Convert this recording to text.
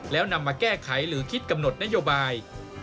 แล้วนำมาแก้ไขหรือคิดกำหนดนโยบาย